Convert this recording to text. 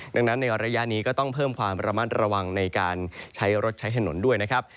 ดังนั้นในระยะนี้ก็ต้องเพิ่มความระมัดระวังในการใช้รถใช้ถนนด้วยนะครับ